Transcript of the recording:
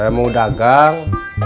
saya mau dagang